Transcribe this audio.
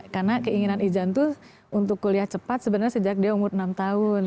karena keinginan izan itu untuk kuliah cepat sebenarnya sejak dia umur enam tahun